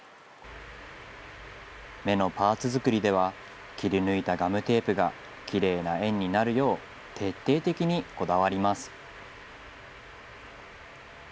目のパーツ作りでは、切り抜いたガムテープがきれいな円になるよう、徹底的にこだわります。